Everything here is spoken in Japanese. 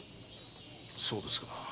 そうですか。